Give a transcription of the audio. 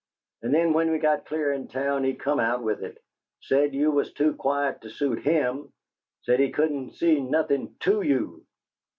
And then when we got clear in town he come out with it! Said you was too quiet to suit HIM said he couldn't see nothin' TO you!